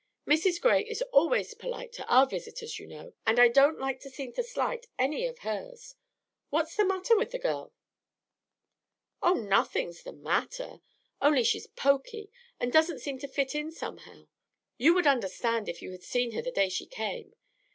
Mrs. Gray is always polite to our visitors, you know, and I don't like to seem to slight any of hers. What's the matter with the girl?" "Oh, nothing's the matter, only she's poky, and doesn't seem to fit in somehow. You would understand if you had seen her the day she came.